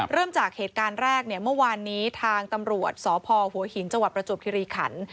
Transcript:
เริ่มจากเหตุการณ์แรกเนี่ยเมื่อวานนี้ทางตำรวจสพหัวหินจังหวัดประจวบคิริขัน